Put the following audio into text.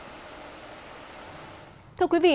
thưa quý vị